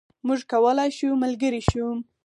موږ کولای شو ملګري شو.